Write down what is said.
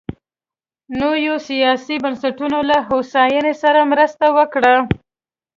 نویو سیاسي بنسټونو له هوساینې سره مرسته وکړه.